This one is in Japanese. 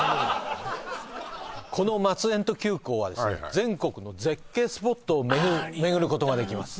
このマツエント急行はですね全国の絶景スポットを巡ることができます